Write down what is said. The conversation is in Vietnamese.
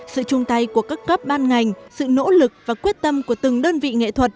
sự chung tay của các cấp ban ngành sự nỗ lực và quyết tâm của từng đơn vị nghệ thuật